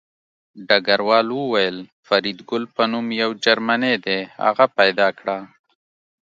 ډګروال وویل فریدګل په نوم یو جرمنی دی هغه پیدا کړه